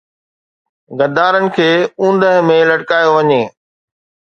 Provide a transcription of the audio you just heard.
غدارن کي اوندهه ۾ لٽڪايو وڃي